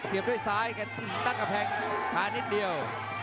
เหยียบด้วยซ้ายแต่ตั้งกับแข็งขานิดเดียว